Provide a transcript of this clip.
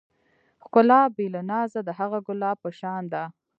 ښکلا بې له نازه د هغه ګلاب په شان ده.